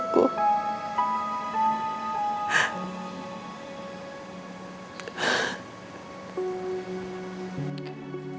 kau tahu pai ku